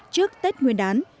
trước tết nguyên đán